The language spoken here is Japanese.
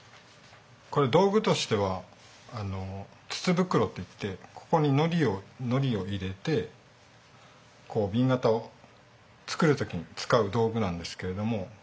これ道具としては筒袋っていってここにのりを入れて紅型を作る時に使う道具なんですけれども。